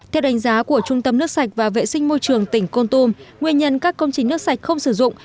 theo đánh giá của trung tâm nước sạch và vệ sinh môi trường tỉnh con tum nguyên nhân các công trình nước sạch không sử dụng